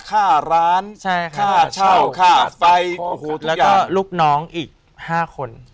ค่าร้านค่าเช่าค่าไฟแล้วก็ลูกน้องอีก๕คน